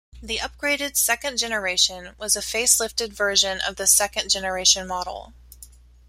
The upgraded second generation was a facelifted version of the second generation model.